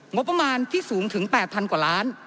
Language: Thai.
งบประมาณที่สูงถึง๘๐๐กว่าล้าน